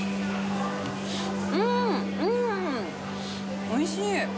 うん、おいしい。